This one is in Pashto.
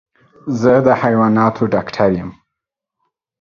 زه د حيواناتو ډاکټر يم.